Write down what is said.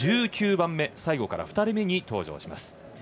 番目最後から２人目に登場します。